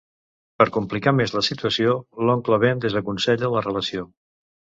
Per complicar més la situació, l’oncle Ben desaconsella la relació.